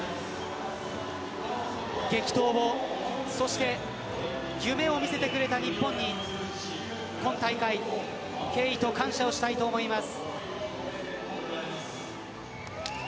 激闘も、そして夢を見せてくれた日本に今大会、敬意と感謝をしたいと思います。